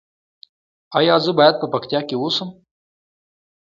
ایا زه باید په پکتیا کې اوسم؟